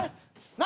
何？